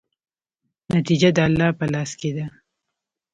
نتیجه د الله په لاس کې ده.